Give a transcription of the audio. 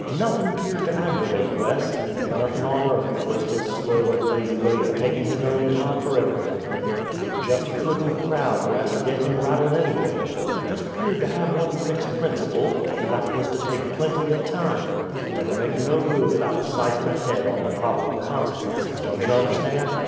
Nothin' 'peared to aggervate Wes, and nothin' on earth could break his slow and lazy way o' takin' his own time fer ever'thing. You jest couldn't crowd Wes er git him rattled anyway. Jest 'peared to have one fixed principle, and that wuz to take plenty o' time, and never make no move 'ithout a ciphern'n' ahead on the prob'ble consequences, don't you understand!